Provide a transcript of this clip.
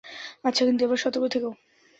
আচ্ছা, কিন্তু এবার সতর্ক থেকো।